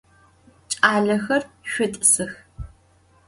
Ç'alexer, şsut'ısıx!